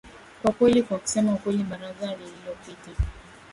kwa kweli kwa kusema ukweli baraza lililopita